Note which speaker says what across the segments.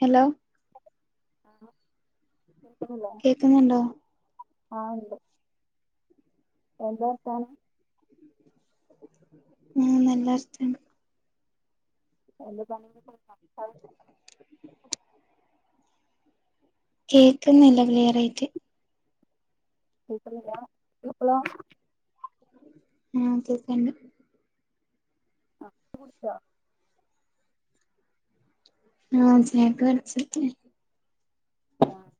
Speaker 1: Hello
Speaker 2: [unintelligible] ആഹ് കേൾക്കണില്ലേ
Speaker 1: കേക്കുന്നുണ്ടോ
Speaker 2: ആഹ് എണ്ട് എന്താ വർത്താനം
Speaker 1: ഉം നല്ല വർത്താനം
Speaker 2: [unintelligible]
Speaker 1: കേക്ക്ന്നില്ല ക്ലിയറായിട്ട്
Speaker 2: കേക്കുന്നില്ലാ ഇപ്പളോ
Speaker 1: ആഹ് കേക്കെണ്ട്
Speaker 2: [unintelligible] കുടിച്ചോ
Speaker 1: ആഹ് [unintelligible]
Speaker 2: ആഹ്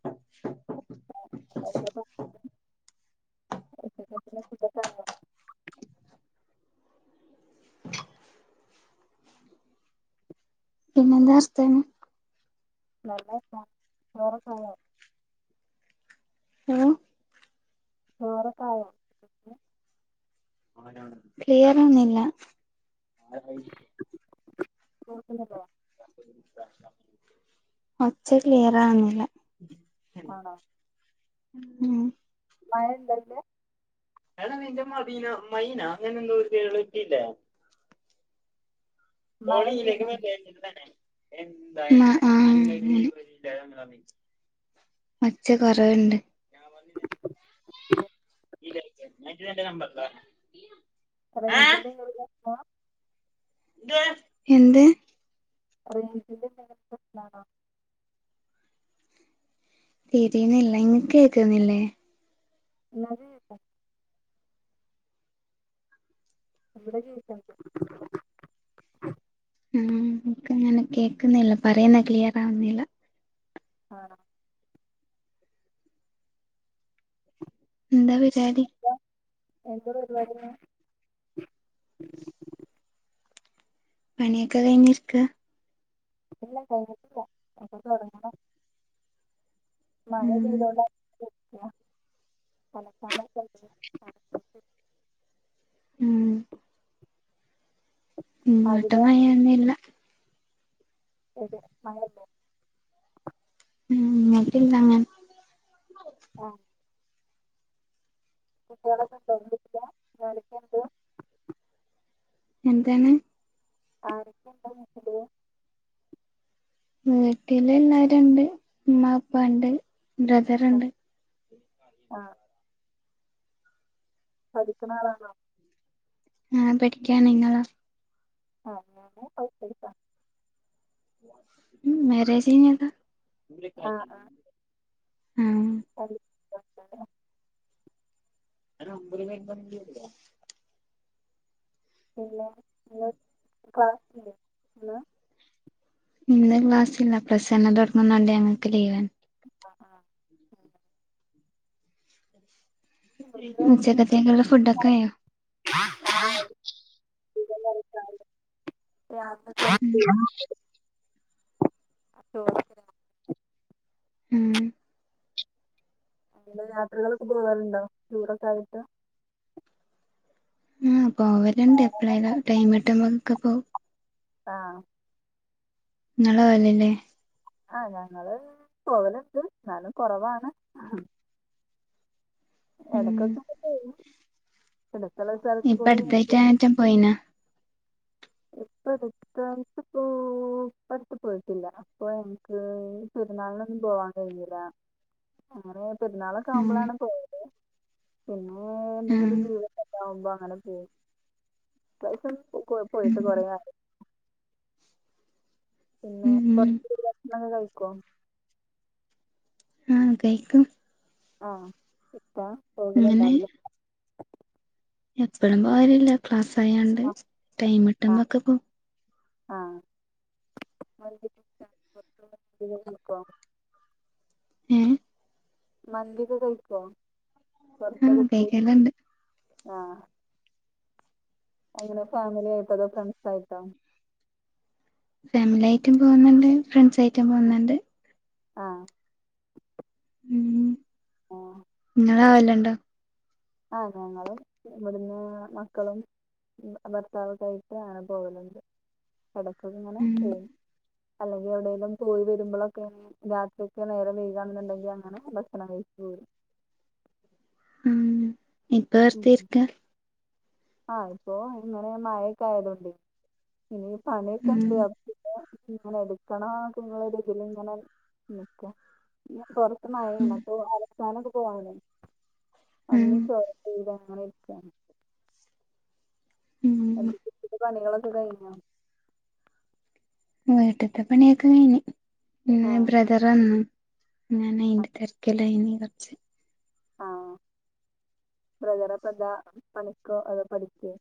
Speaker 2: എന്താപ്പോ [unintelligible]
Speaker 1: പിന്നെന്താ വർത്താനം
Speaker 2: നല്ല [unintelligible] ചോറൊക്കായോ?
Speaker 1: ഏഹ്
Speaker 2: ചോറൊക്കായോ? [inaudible]
Speaker 1: ക്ലിയറൊന്നില്ല
Speaker 2: കേക്കുന്നുണ്ടോ
Speaker 1: ഒച്ച ക്ലിയർ ആവുന്നില്ല
Speaker 2: ആണോ
Speaker 1: ഉം
Speaker 2: [unintelligible]
Speaker 1: എടാ നിന്റെ മദീന മൈന അങ്ങനെ എന്തോ ഒരു കേള് [unintelligible]
Speaker 2: മഴ
Speaker 1: ഓള് ഇതിലേക്ക്
Speaker 2: പെയ്യുന്നുണ്ടോ
Speaker 1: വരാനിരുന്നാണ് ആഹ് ആഹ് ഒച്ച കൊറേയെണ്ട് നജ്ല അന്റെ നമ്പറെന്താ
Speaker 2: റേഞ്ച്ന്റെ എന്തെങ്കിലും പ്രശ്ന
Speaker 1: എന്ത്‌?
Speaker 2: റേഞ്ചിന്റെ എന്തെങ്കിലും പ്രശ്നാണോ?
Speaker 1: തിരിയുന്നില്ല ഇങ്ങക്ക് കേക്കുന്നില്ലേ
Speaker 2: എന്നാല് ഇവിടെ [unintelligible]
Speaker 1: ഉം നിക്കങ്ങനെ കേക്കുന്നില്ല പറയുന്ന ക്ലിയർ ആവുന്നില്ല.
Speaker 2: ആണ
Speaker 1: എന്താ വിചാരി
Speaker 2: [unintelligible] എന്താ പരിപാടീന്ന്
Speaker 1: പണിയൊക്കെ കഴിഞ്ഞിരിക്ക
Speaker 2: ഇല്ല കൈഞ്ഞിട്ടില്ല ഒക്കെ തുടങ്ങണം. മഴ
Speaker 1: ഉം
Speaker 2: പെയ്തോണ്ട് [unintelligible] അലക്കാനൊക്കെണ്ട്
Speaker 1: ഉം ഇങ്ങോട്ടു
Speaker 2: രാവിലെ
Speaker 1: മഴയൊന്നു ഇല്ല
Speaker 2: [unintelligible] മഴില്ലെ
Speaker 1: ഉം ന്നാ പിന്നെങ്ങനെ
Speaker 2: ആഹ് [unintelligible]
Speaker 1: എന്താണ്?
Speaker 2: ആരൊക്കെ ണ്ട് വീട്ടില്
Speaker 1: വീട്ടില് എല്ലരുണ്ട് ഉമ്മ പ്പാ ണ്ട് ബ്രദറുണ്ട്
Speaker 2: ആഹ് പഠിക്ക്ണാളാണോ
Speaker 1: ഞാ പഠിക്കാന് നിങ്ങളോ
Speaker 2: [unintelligible]
Speaker 1: ഉം മേരേജ് കഴിഞ്ഞതാ
Speaker 2: ആ ആ
Speaker 1: ആഹ്
Speaker 2: [inaudible]
Speaker 1: ഒരു ഒമ്പത് [unintelligible] ണ്ടിവരൂലേ
Speaker 2: [unintelligible] ല്ല
Speaker 1: ഇന്ന് ക്ലാസ് ല്ല പ്ലസ് വൺ തുടങ്ങുന്നോണ്ട് ഞൾക്ക് ലീവാണ്
Speaker 2: ആഹ് ആഹ് എഹ് നമുക്ക്
Speaker 1: ഉച്ചക്കതെയ്ക്ക്ള്ള ഫുഡക്കെ ആയോ
Speaker 2: [unintelligible] ര
Speaker 1: ഉം
Speaker 2: [unintelligible] ഓ
Speaker 1: ഉം
Speaker 2: യാത്രകള്ക്കെ പോകാറ്ണ്ടോ ടൂറൊക്കെയിട്ട്
Speaker 1: ഉം പോവലുണ്ട് എപ്പഴേലും ടൈംട്ടുമ്പോ ക്കെ പോവും
Speaker 2: ആഹ്
Speaker 1: ങ്ങളോവലില്ലേ
Speaker 2: ആഹ് ഞങ്ങള് പോവല്ണ്ട് ന്നാലും കുറവാണ്
Speaker 1: ഉം
Speaker 2: ഇടയ്ക്കൊക്കെ പോവും [unintelligible]
Speaker 1: ഇപ്പടുത്തെയിറ്റാറ്റം പോയീന
Speaker 2: ഇപ്പൊ ഇപ്പടുത്തായിട് പോ ഇപ്പടത്ത് പോയിട്ടില്ല പ്പൊ ൻക്ക് പെരുന്നാൾനൊന്നും പോവാൻ കഴിഞ്ഞില ഞങ്ങള് പെരുന്നാളൊക്കെ
Speaker 1: ഉം
Speaker 2: ആവുമ്പോളാണ് പോവല് പിന്നെ
Speaker 1: ആഹ്
Speaker 2: ന്തെങ്കിലും [unintelligible] ആവുമ്പോ അങ്ങനെ പോ [unintelligible] തു കൊറേ
Speaker 1: ഉം
Speaker 2: ആയി പിന്നെ
Speaker 1: ഉം
Speaker 2: ഇപ്പട്ത് ഭക്ഷണ കഴിക്കോ
Speaker 1: ആഹ് കഴിക്കും
Speaker 2: ആഹ് ഇപ്പോ പോകല് ണ്ടാവില്ല
Speaker 1: എപ്പോഴും പോകറില്ല ക്ലാസായൊണ്ട്
Speaker 2: ആ
Speaker 1: ടൈംട്ടുമ്പോക്കെ പോകും
Speaker 2: ആഹ് [unintelligible] ക്കോ
Speaker 1: ഏഹ്
Speaker 2: മന്തിക്കെ കഴിക്കോ
Speaker 1: ആഹ്
Speaker 2: പുറത്ക്കെ പോയി
Speaker 1: കേക്കലുണ്ട്
Speaker 2: ആഹ് ങ്ങനെ ഫാമില്യായിട്ടോ അതോ ഫ്രണ്ട്സായിട്ടോ
Speaker 1: ഫാമിലി ആയിട്ടും പോകുന്നുണ്ട് ഫ്രണ്ട്സ് ആയിട്ടും പോകുന്നുണ്ട്
Speaker 2: ആഹ്
Speaker 1: ങ്ങളോവലുണ്ടോ
Speaker 2: ആഹ് ഞങ്ങള് ഇവിടുന്ന് മക്കളും ഭർത്താവോക്കായിട്ട് ആണ് പോവാലുണ്ട് ഇടയ്ക് ഒക്കെ ഇങ്ങനെ
Speaker 1: ഉം
Speaker 2: പോവും അല്ലെങ്കിൽ എവിടെേലും പോയി വരുമ്പോളെക്കെ രാത്രി ഒക്കെ നേരം വെയകാണെന്നുണ്ടെങ്കി അങ്ങനെ ഭക്ഷണം കഴിച്ചോരും
Speaker 1: ഉം ഇപ്പ
Speaker 2: ഉം
Speaker 1: വെർതിരിക്ക
Speaker 2: ആഹ് പ്പോ ഇന്നലെ മഴൊക്കെ ആയതൊണ്ട് ഇനി
Speaker 1: ഉം
Speaker 2: പണിക്കെണ്ട് അപ്പൊ പിന്നെ [unintelligible] എടുക്കണം അപ്പൊ ഒരു ഇതിലി ങ്ങനെ നിക്ക പൊറത്ത്
Speaker 1: ഉം
Speaker 2: മയപെയ്യണ് [unintelligible] പോവാണ്
Speaker 1: ഉം
Speaker 2: ല്ല ങ്ങനെ രിക്കാന്ന്
Speaker 1: ഉം
Speaker 2: [unintelligible] പണികളൊക്കെ കയിഞ്ഞ
Speaker 1: വീട്ട്ത്തെ പണിയൊക്കെ കയ്ഞ് മ്മ്
Speaker 2: ആഹ്
Speaker 1: ബ്രദറ് വന്ന്- ഞാനയിന്റെ തിരക്കിലെയ്നി കൊറച്-
Speaker 2: ആഹ് ബ്രദറപ്പന്താ പണിക്കോ അതോ പഠിക്കേ?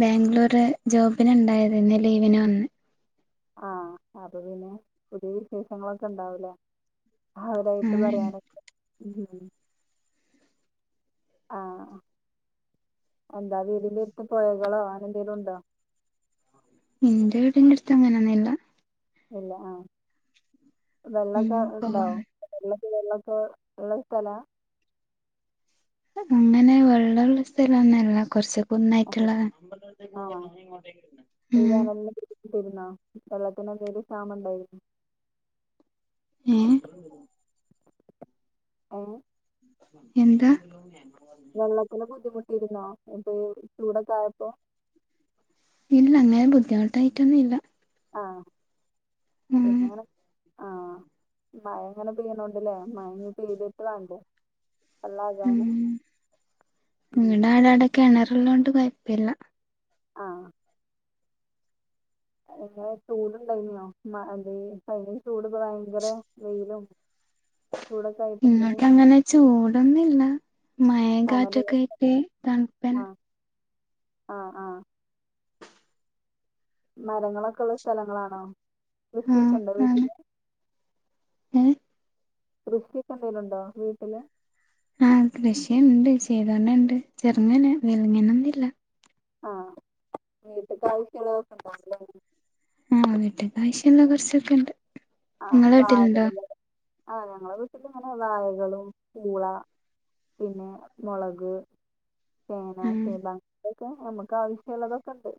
Speaker 1: ബാംഗ്ലൂര് ജോബിനണ്ടായതെന്ന് ലീവിന് വന്ന്.
Speaker 2: ആഹ് അപ്പ പിന്നെ പുതിയ വിശേഷങ്ങളൊക്കെണ്ടാവൂലേ [unintelligible]
Speaker 1: ആഹ്
Speaker 2: പറയാനൊക്കെ ആഹ് എന്താ വീട്ന്റെട്ത്ത് പോയകളോ അങ്ങനെ എന്തേലും ണ്ടോ?
Speaker 1: ഇന്റെ വീടിന്റെറട്ത്ത് അങ്ങനെയൊന്നുല്ല-
Speaker 2: ഇല്ല ആഹ്
Speaker 1: ഉം
Speaker 2: വെള്ളൊക്കെ ണ്ടോ?
Speaker 1: പോവാൻ
Speaker 2: ങ്ങക്ക് വെള്ളൊക്കെള്ള സ്ഥലാ-
Speaker 1: അങ്ങനെ വെള്ളള്ള സ്ഥലംഒന്നുല്ല കുറച്ച്-
Speaker 2: അതെ
Speaker 1: കുന്നായിട്ടുള്ള
Speaker 2: ആഹ്
Speaker 1: ഉം.
Speaker 2: [unintelligible] വെള്ളത്തിനെന്തെലും ക്ഷാമണ്ടായിനോ?
Speaker 1: ഏഹ്-
Speaker 2: ആഹ്-
Speaker 1: എന്താ?
Speaker 2: വെള്ളത്തിലന് ബുദ്ധിമുട്ടിരുന്നോ ഇപ്പൊ ചൂടൊക്കെ ആയപ്പോ?
Speaker 1: ഇല്ല അങ്ങനെ ബുദ്ധിമുട്ടായിട്ടൊന്നുല്ല.
Speaker 2: ആഹ്
Speaker 1: ഉം
Speaker 2: പിന്ന ആഹ് മഴങ്ങനെ പെയണണ്ട്ല്ലേ മഴ പെയ്തിട്ട് വാണ്ടേ
Speaker 1: ഉം
Speaker 2: [unintelligible]
Speaker 1: ഇവിടെ
Speaker 2: ഉം.
Speaker 1: ആടാടെ കിണറുള്ളോണ്ട് കൊയപ്പില്ല
Speaker 2: ആഹ്- എങ്ങനെ ചൂടുണ്ടായ്നോ [unintelligible] ചൂടിപ്പോ ഭയങ്കര വെയിലും-
Speaker 1: [inaudible]
Speaker 2: ചൂടൊക്കെ ആയിട്ട് ഇങ്ങനെ
Speaker 1: ഇന്ന്ട്ടങ്ങനെ ചൂടൊന്നൂല്ല മയിം
Speaker 2: തണല്
Speaker 1: കാറ്റൊക്കായിട്ട് തണ്പ്പന്നെ
Speaker 2: ആഹ് ആഹ് ആഹ് മരങ്ങളൊക്കെള്ള സ്ഥലങ്ങളാണോ കൃഷിയൊക്കെ ണ്ടോ വീട്ടില്?
Speaker 1: ഏഹ്-
Speaker 2: കൃഷിക്കെന്തേലുണ്ടോ വീട്ടില്?
Speaker 1: ആഹ് കൃഷിണ്ട് ചെയ്തോണ്ടണ്ട് ചെറ്ങ്ങനെ വെലങ്ങനൊന്നില്ല.
Speaker 2: ആഹ് വീട്ട്ക്ക് ആവശ്യള്ളതൊക്കെണ്ടാവുല്ലേ?
Speaker 1: ആഹ് വീട്ക്ക് ആശ്യള്ള കൊറച്ചൊക്കെണ്ട്.
Speaker 2: ആഹ്
Speaker 1: ഇങ്ങളെ വീട്ടിലുണ്ടോ?
Speaker 2: വഴകള് ആ ഞങ്ങളെ വീട്ടികങ്ങനെ വായകളും പൂള പിന്നെ മൊളക്- ചേന
Speaker 1: ആഹ്
Speaker 2: [unintelligible] അങ്ങനെയൊക്കെ ഞമ്മക്കാവശ്യള്ളതൊക്കെണ്ട്.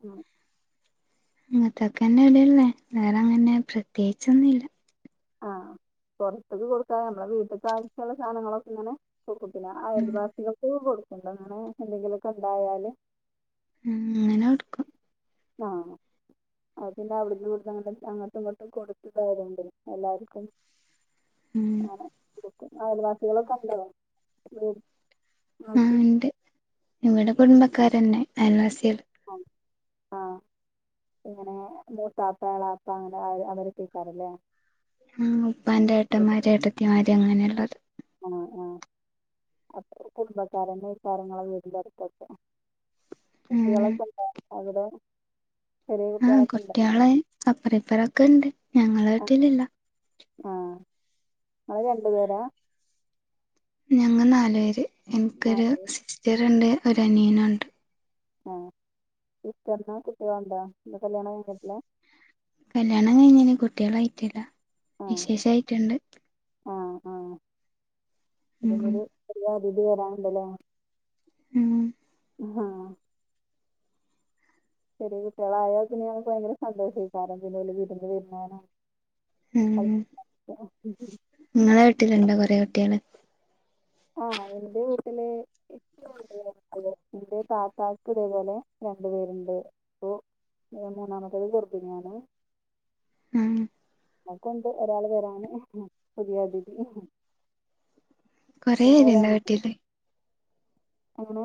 Speaker 1: ഇങ്ങത്തൊക്കെന്നെ ഇവിട്ള്ളേ വേറെ ങ്ങനെ പ്രത്യേകിച്ചൊന്നുല്ല.
Speaker 2: ആഹ് പൊറത്ത്ക്ക് കൊടുക്കാതെമ്മളെ വീട്ട ആവശ്യള്ള സാധനങ്ങളൊക്കെങ്ങനെ [unintelligible]
Speaker 1: ഉം
Speaker 2: അയൽവാസികൾകൊക്കെ ങ്ങനെ എന്തെങ്കിലൊക്കെണ്ടായാല്-
Speaker 1: ഉം അങ്ങനെ കൊടുക്കും
Speaker 2: ആഹ് അതിപിന്നെ അവിടുന്ന് ഇവിടുനൊക്കങ്ങനെ അങ്ങോട്ടും ഇങ്ങോട്ടും കൊടുത്ത്തായതോണ്ട് എല്ലാർക്കുങ്ങനെ-
Speaker 1: ഉം
Speaker 2: അയൽവാസികളൊക്കെണ്ടോ?
Speaker 1: ആഹ് ണ്ട് ഇവിടെ കുടുംബക്കാരന്നെ അയ ൽവാസ്യാള്.
Speaker 2: അം ആഹ്- എങ്ങനെ മൂത്താപ്പ ഏളാപ്പങ്ങനെ അവരൊ ക്കെക്കാരല്ലേ?
Speaker 1: ഉം ഉപ്പാന്റെ ഏട്ടന്മാര് ഏട്ടത്തിമാരി അങ്ങനെയുള്ളവര്.
Speaker 2: ആഹ് ആഹ്- അപ്പൊ കുടുംബക്കാരെന്നെക്കാരം ങ്ങളെ വടിന്റെട്ത്തൊക്കെ
Speaker 1: ഉം
Speaker 2: കുട്ടികളൊക്കെ ണ്ടോ അവിടെ? ചെറിയ
Speaker 1: ആഹ്
Speaker 2: കുട്ടികളൊക്കെ ഉണ്ടോ
Speaker 1: കുട്യാള് അപ്പറോം ഇപ്പറൊക്കെണ്ട് ഞങ്ങള വീട്ടിലില്ല.
Speaker 2: ആഹ് ങ്ങള് രണ്ടു പേരാ
Speaker 1: ഞങ്ങള് നാലു പേര് എനിക്കൊരു
Speaker 2: നാല്
Speaker 1: സിസ്റ്ററുണ്ട് ഒരു അനിയനുണ്ട്
Speaker 2: ആഹ് സിസ്റ്റർനോ കുട്ടിയാള്ണ്ടോ എന്ത കല്ല്യാണം കഴിഞ്ഞിട്ടില്ല
Speaker 1: കല്യാണം കഴിഞ്ഞന് കുട്ടികളായിട്ടില്ല വിശേഷായിട്ടുണ്ട്
Speaker 2: ആഹ് ആഹ്
Speaker 1: ഉം
Speaker 2: [unintelligible] അതിഥി വരാനുണ്ടല്ലേ
Speaker 1: ഉം
Speaker 2: ഉമ്മ ചെറിയ കുട്ടികളായോ പിന്നെയക്ക് ഭയങ്കര സന്തോഷേക്കാരം പിന്നെഓല്ല് വീരുന്ന് വരുന്നാനോ
Speaker 1: ഉം നിങ്ങളെ വീട്ടിലുണ്ടോ കൊറെ കുട്ട്യാള്
Speaker 2: ആഹ് എന്റെ വീട്ടില് [unintelligible] ഇന്റെ താത്താക്ക് ഇതേപോലെ രണ്ടു പേരുണ്ട് അപ്പൊ ഏ മൂന്നാമത്തേത് ഗർഭിണിയാണ്
Speaker 1: അഹ്
Speaker 2: നക്കുണ്ട് ഒരാൾ വരാണ് പുതിയതിഥി
Speaker 1: കൊറേ
Speaker 2: പിന്നെരു
Speaker 1: പേരുണ്ടോ വീട്ടില്
Speaker 2: അനിയന് എങ്ങനെ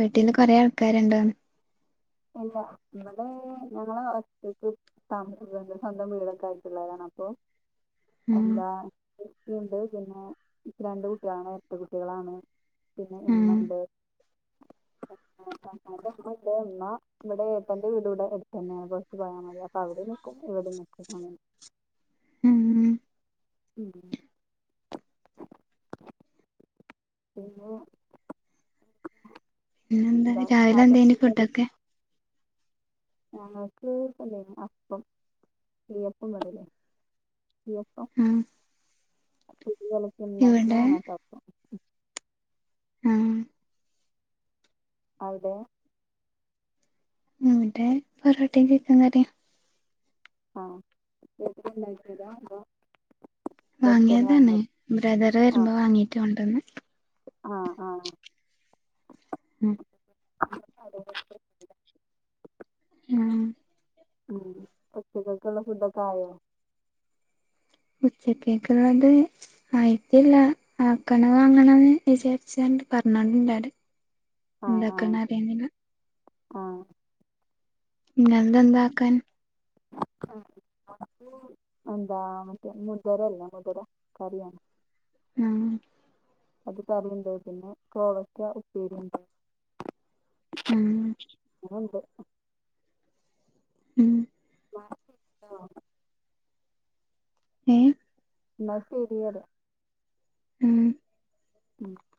Speaker 1: വീട്ടീല് കൊറേ ആൾക്കാരുണ്ടോ
Speaker 2: ഇല്ല ഇവിടെ ഞങ്ങൾ ഒറ്റക്ക് താമസിക്കുന്നത് സ്വന്തം വീടൊക്കെ ആയിട്ടുള്ളതാണ് അപ്പൊ
Speaker 1: ഉം
Speaker 2: എന്താ ഇക്കിണ്ട് പിന്നെ രണ്ട് കുട്ടികളാണ് ഇരട്ട കുട്ടികളാണ് പിന്നെ
Speaker 1: ഉം
Speaker 2: ഉമ്മ ഉണ്ട് [unintelligible] ഉമ്മ ഇവിടെ ഏട്ടന്റെ വീട ഇവിടെ എടുത്തതന്നെയാണ് കുറച്ച് പോയാൽ മതി അപ്പ അവിടെ നിൽക്കും ഇവിടെ നിക്കും അങ്ങനെ
Speaker 1: ഉം
Speaker 2: ഉം പിന്നാ
Speaker 1: പിന്നെന്താ
Speaker 2: ന്താ
Speaker 1: രാവിലെ എന്തേനി
Speaker 2: [unintelligible]
Speaker 1: ഫുഡൊക്കെ
Speaker 2: ഞങ്ങൾക്ക് പൊന്തിനു അപ്പം [unintelligible] [unintelligible] പ്പം
Speaker 1: ആ
Speaker 2: പൊടി കലക്കി
Speaker 1: ഇവിടെ
Speaker 2: ഉണ്ടാക്കുന്നതാണോപ്പം
Speaker 1: ഉം
Speaker 2: അവിടെ
Speaker 1: ഇവിടെ പൊറോട്ടയും ചിക്കൻകറിയും
Speaker 2: ആഹ് ഇപ്പഴത്തേക്ക് ഉണ്ടാക്കിയതാ അതോ പുറത്തുന്ന്
Speaker 1: വാങ്ങിയതാണ്
Speaker 2: വാങ്ങിയതാ
Speaker 1: ബ്രദർ വരുമ്പോ വാങ്ങീട്ട് കൊണ്ടുവന്ന്
Speaker 2: ആഹ് ആഹ്
Speaker 1: ഉം
Speaker 2: അ [unintelligible]
Speaker 1: ഉം
Speaker 2: ഉം ഉച്ചകത്തേക്കുള്ള ഫുഡൊക്കെ ആയോ
Speaker 1: ഉച്ചകേക്കുള്ളത് ആയിട്ടില്ല ആക്കണ അങ്ങണന്ന് വിചാരിച്ചണ്ട് പറഞ്ഞോണ്ടിണ്ടടെ
Speaker 2: ആ ആ
Speaker 1: ഇണ്ടാക്കാൻ അറിയുന്നില്ല
Speaker 2: ആഹ്
Speaker 1: നിങ്ങളത് എന്താകാൻ
Speaker 2: ഉ എന്താ മറ്റേ മുതിര അല്ല മുതിര കറിയാണ്
Speaker 1: ആഹ്
Speaker 2: അത് കറിയുണ്ടക്കിന്ന് കോവയ്ക്ക ഉപ്പേരുണ്ട്
Speaker 1: ഉം
Speaker 2: വിടെണ്ട്
Speaker 1: ഉം
Speaker 2: മഴ ഉണ്ടോ
Speaker 1: ഏഹ്
Speaker 2: ഇന്നാൽ തെരി പറിയാ
Speaker 1: ഉം
Speaker 2: ഉം